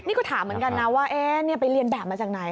นี่ก็ถามเหมือนกันนะว่าไปเรียนแบบมาจากไหน